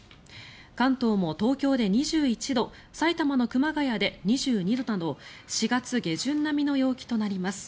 関東も東京で２１度埼玉の熊谷で２２度など４月下旬並みの陽気となります。